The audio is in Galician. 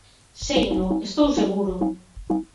Seino, estou seguro.